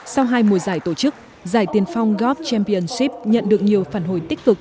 sau hai mùa giải tổ chức giải tiền phong golf championship nhận được nhiều phản hồi tích cực